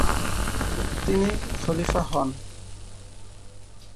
তিনি খলিফা হন।